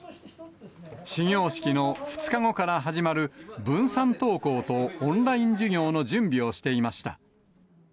始業式の２日後から始まる分散登校とオンライン授業の準備をしていました。